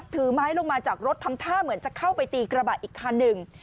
ถือไม้ลงมาจากรถทำท่าเหมือนจะเข้าไปตีกระบะอีกคันหนึ่ง